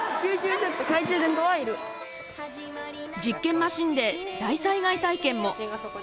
実験マシンで大災害体験も。